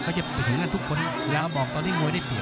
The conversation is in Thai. ก็จะเป็นอย่างนั้นทุกคนอย่าบอกตอนนี้มวยได้เปลี่ยน